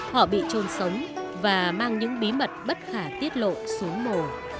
họ bị trôn sống và mang những bí mật bất khả tiết lộ xuống mồ